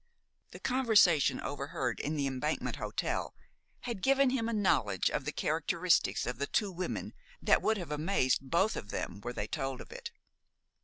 The conversation overheard in the Embankment Hotel had given him a knowledge of the characteristics of two women that would have amazed both of them were they told of it.